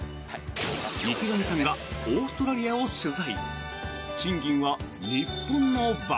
池上さんがオーストラリアを取材。